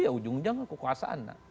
ya ujung ujang kekuasaan